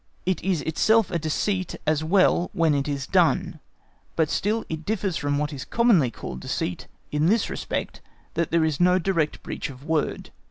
It is itself a deceit as well when it is done, but still it differs from what is commonly called deceit, in this respect that there is no direct breach of word.